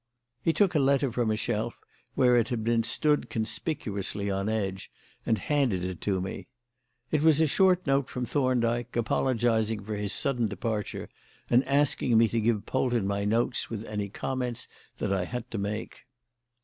He took a letter from a shelf, where it had been stood conspicuously on edge, and handed it to me. It was a short note from Thorndyke apologising for his sudden departure and asking me to give Polton my notes with any comments that I had to make.